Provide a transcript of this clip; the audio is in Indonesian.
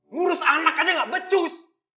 ngurus anak aja gak becus